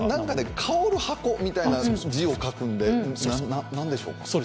香る箱みたいな字を書くのでなんでしょうか。